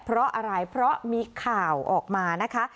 เพราะอะไรเพราะมีข่าวออกมานะคะ